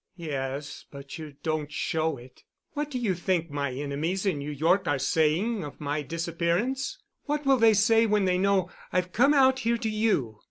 "Yes, but you don't show it. What do you think my enemies in New York are saying of my disappearance? What will they say when they know I've come out here to you?